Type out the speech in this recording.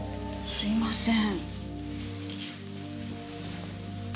すいません。